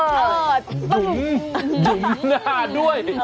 ดุ้งดุ้งหน้าด้วย